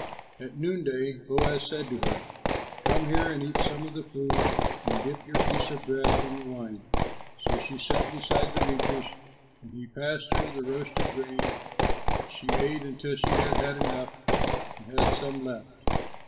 At noonday Boaz said to her, "Come here and eat some of the food and dip your piece of bread in the wine." So she sat beside the reapers; and he passed her the roasted grain, and she ate until she had had enough and had some left.